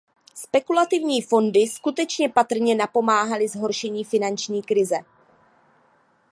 Spekulativní fondy skutečně patrně napomáhaly zhoršení finanční krize.